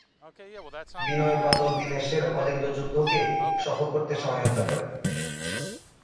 বিনয়-বাদল-দীনেশের অলিন্দ-যুদ্ধকে সফল করতে সহায়তা করেন।